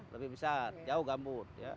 lebih besar jauh gambut